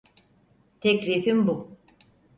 Teklifim bu.